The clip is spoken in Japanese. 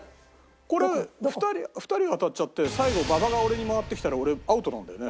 これ２人当たっちゃって最後ババが俺に回ってきたら俺アウトなんだよね？